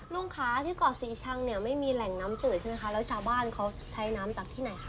ลุงคะที่เกาะสีชังเนี่ยไม่มีแหล่งน้ำจืดใช่ไหมคะ